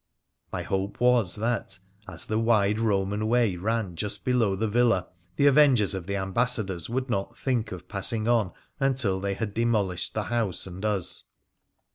My hope was that, as the wide Roman way ran just below the villa, the avengers of the Ambassadors would not think of passing on until they had demolished the house and us.